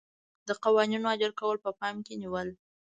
د قوانینو اجرا کول په پام کې نیول.